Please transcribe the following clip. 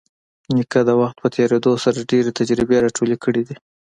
نیکه د وخت په تېرېدو سره ډېرې تجربې راټولې کړي دي.